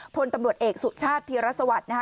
พลตำรวจเอกสุชาติธิระสวัสดิ์